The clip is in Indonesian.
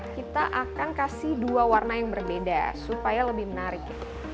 kita akan kasih dua warna yang berbeda supaya lebih menarik